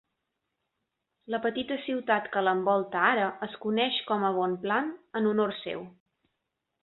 La petita ciutat que l'envolta ara es coneix com a "Bonpland" en honor seu.